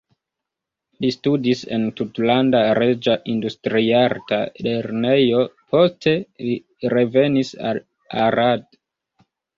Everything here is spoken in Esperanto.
Li studis en Tutlanda Reĝa Industriarta Lernejo, poste li revenis al Arad.